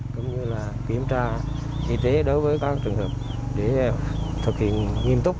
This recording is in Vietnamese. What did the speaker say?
cũng như là kiểm tra y tế đối với các trường hợp để thực hiện nghiêm túc